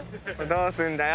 どうすんだよ？